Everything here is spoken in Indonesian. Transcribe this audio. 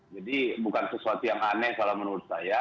jadi bukan sesuatu yang aneh kalau menurut saya